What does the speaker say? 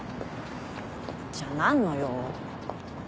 じゃあ何の用？